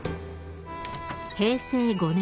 平成５年。